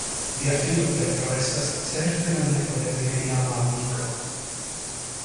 Via filo, Petro, estas certe la nepo de mia iama amiko.